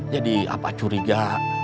jadi apa curiga